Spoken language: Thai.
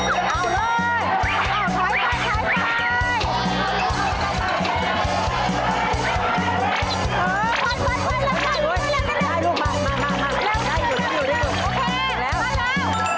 โอ๊ยไม่โดน